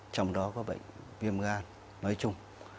trong đó có bệnh viêm gan nói chung